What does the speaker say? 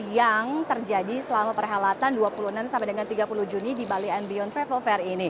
yang terjadi selama perhelatan dua puluh enam sampai dengan tiga puluh juni di bali anda